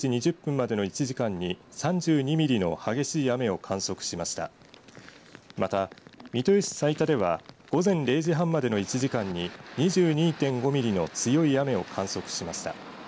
また、三豊市財田では午前０時半までの１時間に２２．５ミリの強い雨を観測しました。